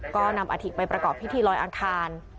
ก็นำอาถิไปประกอบพิธีลอยอังคาร